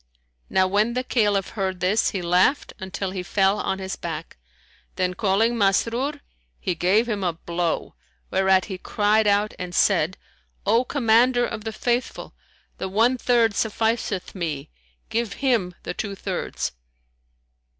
Now when the Caliph heard this, he laughed until he fell on his back; then calling Masrur, he gave him a blow, whereat he cried out and said, "O Commander of the Faithful, the one third sufficeth me: give him the two thirds."